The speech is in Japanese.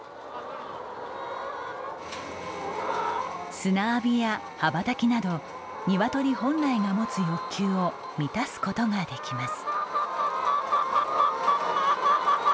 砂浴びや羽ばたきなど鶏本来が持つ欲求を満たすことができます。